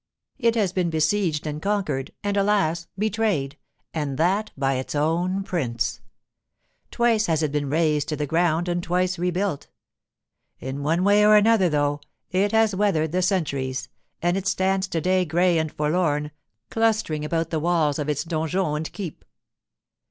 It has been besieged and conquered, and, alas, betrayed—and that by its own prince. Twice has it been razed to the ground and twice rebuilt. In one way or another, though, it has weathered the centuries, and it stands to day grey and forlorn, clustering about the walls of its donjon and keep.